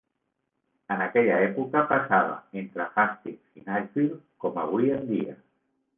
En aquella època, passava entre Hastings i Nashville com avui en dia.